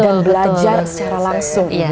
dan belajar secara langsung ibu ya